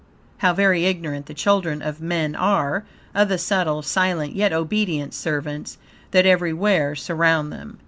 How very ignorant the children of men are, of the subtle, silent, yet obedient servants, that everywhere, surround them.